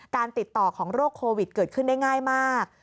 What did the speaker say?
การติดต่อของโรคโควิดเกิดขึ้นได้ง่ายมาก